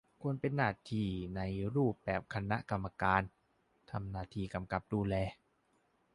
ควรเป็นหน้าที่ในรูปแบบคณะกรรมการ ทำหน้าที่กำกับดูแล